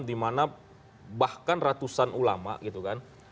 dimana bahkan ratusan ulama gitu kan